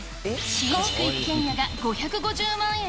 新築一軒家が５５０万円？